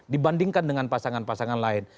dibandingkan dengan pasangan pasangan lain